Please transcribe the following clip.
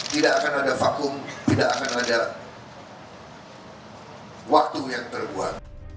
tidak akan ada vakum tidak akan ada waktu yang terbuat